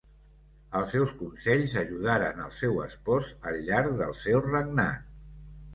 Els seus consells ajudaren al seu espòs al llarg del seu regnat.